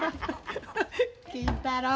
金太郎。